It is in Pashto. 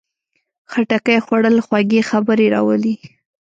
خټکی خوړل خوږې خبرې راولي.